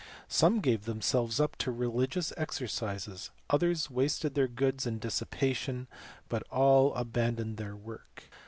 Some gave themselves up to religious exercises, others wasted their goods in dissipation, but all abandoned their work.